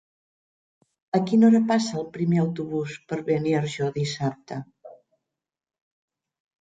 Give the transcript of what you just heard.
A quina hora passa el primer autobús per Beniarjó dissabte?